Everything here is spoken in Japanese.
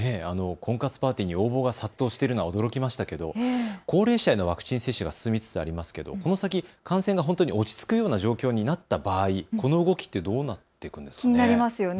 婚活パーティーに応募が殺到しているとは驚きましたけれども、高齢者へのワクチン接種が進みつつありますが、感染が落ち着くような状況になった場合、この動きはどうなるんですかね。